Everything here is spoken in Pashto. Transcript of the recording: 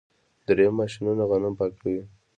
دریم ماشینونه غنم پاکوي.